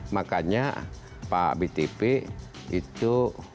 makanya pak btp itu